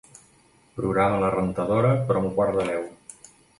Programa la rentadora per a un quart de deu.